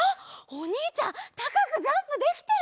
おにいちゃんたかくジャンプできてる！